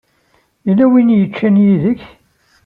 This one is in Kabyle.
Yella win yeččan yid-k?